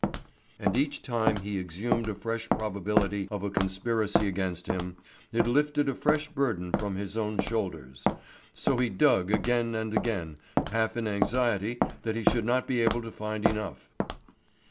And each time he exhumed a fresh probability of a conspiracy against him, it lifted a fresh burden from his own shoulders; so he dug again and again, half in anxiety that he should not be able to find enough.